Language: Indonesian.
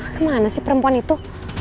kemana sih perempuan itu